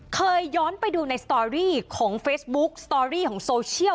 เคยย้อนไปดูในสตอรี่ของเฟซบุ๊กสตอรี่ของโซเชียล